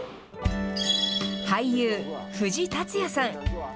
俳優、藤竜也さん。